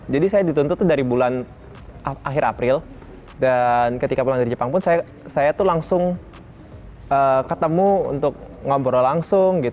saya dituntut tuh dari bulan akhir april dan ketika pulang dari jepang pun saya tuh langsung ketemu untuk ngobrol langsung